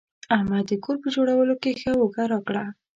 احمد د کور په جوړولو کې ښه اوږه راکړه.